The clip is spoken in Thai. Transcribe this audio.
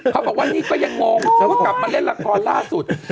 เขาบอกว่านี่ก็ยังงงเขาก็กลับมาเล่นละครล่าสุด